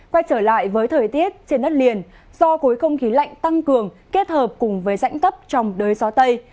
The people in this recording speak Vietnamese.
quay trở lại với thời tiết trên đất liền do khối không khí lạnh tăng cường kết hợp cùng với rãnh thấp trong đới gió tây